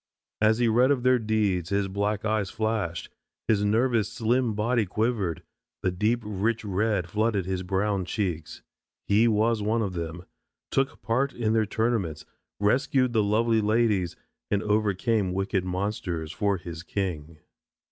As he read of their deeds his black eyes flashed, his nervous slim body quivered, the deep rich red flooded his brown cheeks. He was one of them, took part in their tournaments, rescued the lovely ladies and overcame wicked monsters for his king.